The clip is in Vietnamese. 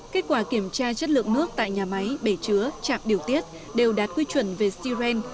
kết quả kiểm tra chất lượng nước tại nhà máy bể chứa chạm điều tiết đều đạt quy chuẩn về siren